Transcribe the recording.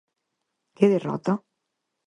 Que derrota?